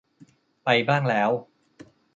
ไปบ้างแล้ว